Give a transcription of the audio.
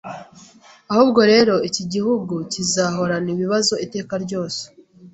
ahubwo rero iki gihugu kizahoran’ibibazo iteka ryose